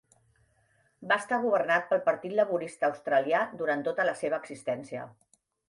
Va estar governat pel Partit Laborista Australià durant tota la seva existència.